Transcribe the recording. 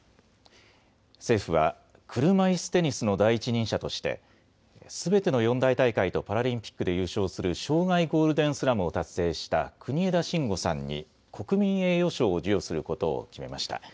政府は車いすテニスの第一人者としてすべての四大大会とパラリンピックで優勝する生涯ゴールデンスラムを達成した国枝慎吾さんに国民栄誉賞を授与することを決めました。